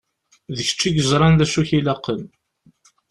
D kečč i yeẓṛan d acu i k-ilaqen.